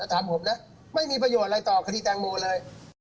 ถามผมนะไม่มีประโยชน์อะไรต่อคดีแตงโมเลย